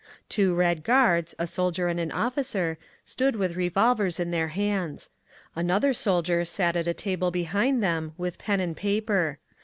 Two Red Guards, a soldier and an officer, stood with revolvers in their hands. Another soldier sat at a table behind them, with pen and paper.